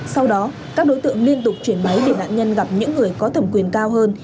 sau đó các đối tượng liên tục chuyển máy để nạn nhân gặp những người có thẩm quyền cao hơn